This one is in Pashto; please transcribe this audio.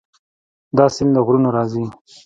دا سیند له غرونو راځي.